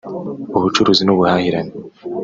Ubucuruzi n’ubuhahirane